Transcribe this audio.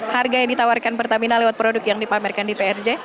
harga yang ditawarkan pertamina lewat produk yang dipamerkan di prj